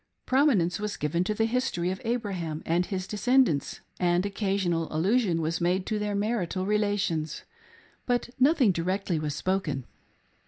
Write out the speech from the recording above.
Prominence was given to the history of Abraham and his descendants, and occasional allusion was made to their marital relations ; but nothing directly was spoken.